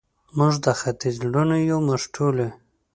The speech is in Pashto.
موږ د ختیځ لوڼې یو، موږ ټولې،